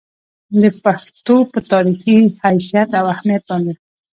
د پښتو پۀ تاريخي حېثيت او اهميت باندې